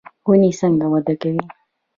ونې څنګه وده کوي؟